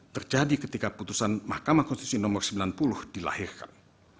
terjadi ketika putusan mahkamah konstitusi nomor sembilan puluh dilahirkan